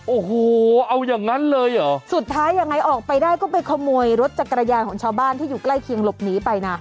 โอ้โหเอาอย่างนั้นเลยเหรอสุดท้ายยังไงออกไปได้ก็ไปขโมยรถจักรยานของชาวบ้านที่อยู่ใกล้เคียงหลบหนีไปนะ